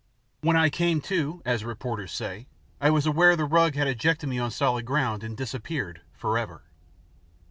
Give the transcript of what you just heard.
When I came to, as reporters say, I was aware the rug had ejected me on solid ground and disappeared, forever.